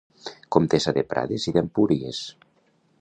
Comtessa de Prades i d'Empúries.